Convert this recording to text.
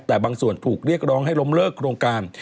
แต่บางส่วนถูกเรียกร้องให้ล้มเลิกโครงการ